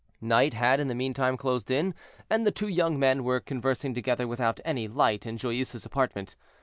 Night had in the meantime closed in, and the two young men were conversing together without any light in Joyeuse's apartment.